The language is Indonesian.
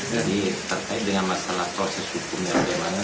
jadi terkait dengan masalah proses hukum yang berlebaran